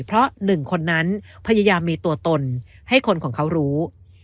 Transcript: เพราะหนึ่งคนนั้นพยายามมีตัวตนให้คนของเขารู้